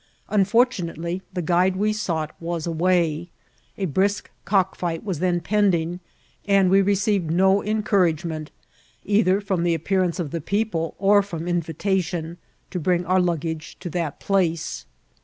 Unfortu nately, the guide we sought was away ; a brisk cock fight was then pending, and we received no encourage m^it, either from the appearance of the people or from invitation, to bring back our luggage to that place.